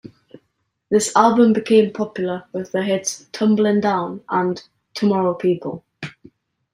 This album became popular with the hits "Tumblin' Down" and "Tomorrow People".